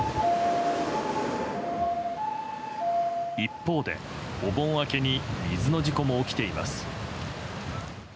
一方で、お盆明けに水の事故も起きています。